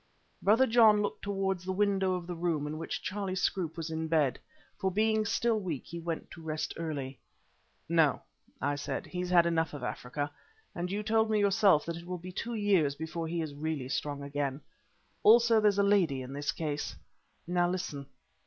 Brother John looked towards the window of the room in which Charlie Scroope was in bed, for being still weak he went to rest early. "No," I said, "he's had enough of Africa, and you told me yourself that it will be two years before he is really strong again. Also there's a lady in this case. Now listen.